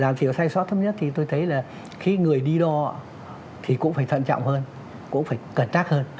giảm thiểu sai sót thấp nhất thì tôi thấy là khi người đi đo thì cũng phải thận trọng hơn cũng phải cẩn trắc hơn